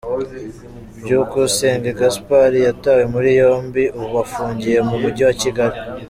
Byukusenge Gaspard yatawe muri yombi, ubu afungiye mu Mujyi wa Kigali.